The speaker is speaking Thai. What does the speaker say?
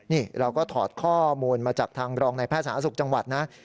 นี่เราก็ถอดข้อมูลมาจากทางรองในแพทย์สาธารณสุขจังหวัดนะ